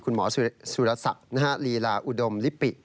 คุณหมอสุรสัตว์นาฬีลาอุดมลิปปิ